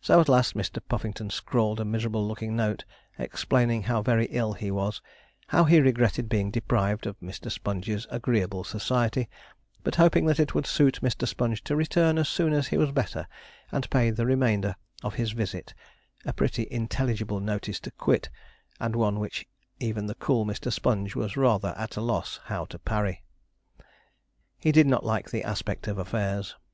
So, at last, Mr. Puffington scrawled a miserable looking note, explaining how very ill he was, how he regretted being deprived of Mr. Sponge's agreeable society, but hoping that it would suit Mr. Sponge to return as soon as he was better and pay the remainder of his visit a pretty intelligible notice to quit, and one which even the cool Mr. Sponge was rather at a loss how to parry. He did not like the aspect of affairs.